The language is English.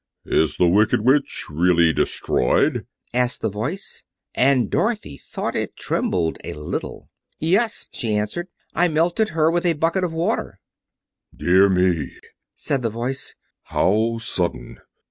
"Is the Wicked Witch really destroyed?" asked the Voice, and Dorothy thought it trembled a little. "Yes," she answered, "I melted her with a bucket of water." "Dear me," said the Voice, "how sudden!